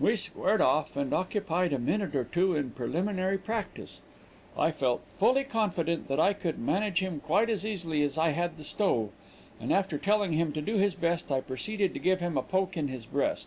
"We squared off, and occupied a minute or two in preliminary practice; I felt fully confident that I could manage him quite as easily as I had the stove, and after telling him to do his best, I proceeded to give him a poke in his breast.